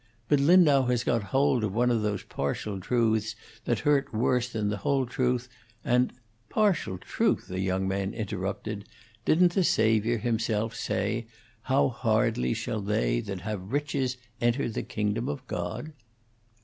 But Lindau has got hold of one of those partial truths that hurt worse than the whole truth, and " "Partial truth!" the young man interrupted. "Didn't the Saviour himself say, 'How hardly shall they that have riches enter into the kingdom of God?'"